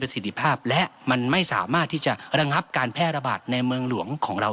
สิทธิภาพและมันไม่สามารถที่จะระงับการแพร่ระบาดในเมืองหลวงของเรา